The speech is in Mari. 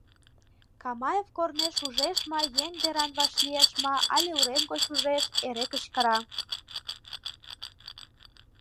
Камаев корнеш ужеш ма, еҥ деран вашлиеш ма, але урем гоч ужеш — эре кычкыра: